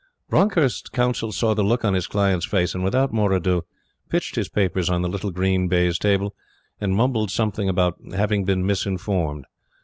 Bronckhorst's Counsel saw the look on his client's face, and without more ado, pitched his papers on the little green baize table, and mumbled something about having been misinformed.